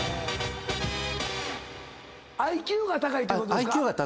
ＩＱが高いってことですか？